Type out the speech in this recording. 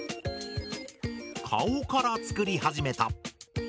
顔から作り始めた。